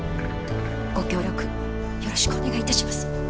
ご協力よろしくお願いいたします。